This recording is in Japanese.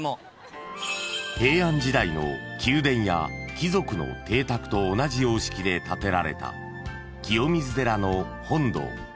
［平安時代の宮殿や貴族の邸宅と同じ様式で建てられた清水寺の本堂］